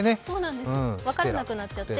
分からなくなっちゃって。